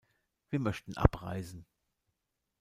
Wir möchten abreisen.